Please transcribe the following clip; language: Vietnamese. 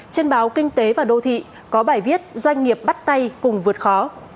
trên báo kinh tế và đô thị có bài viết doanh nghiệp bắt tay cùng vượt khó